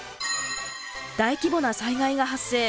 大規模な災害が発生。